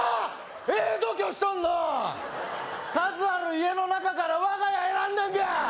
ええ度胸しとんなあ数ある家の中から我が家選んだんかー？